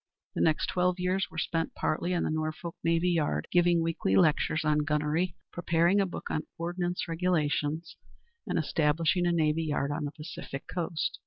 The next twelve years were spent, partly in the Norfolk Navy Yard, giving weekly lectures on gunnery, preparing a book on ordnance regulations, and establishing a navy yard on the Pacific Coast.